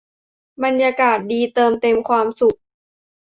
บรรยากาศดีเติมเต็มความสุข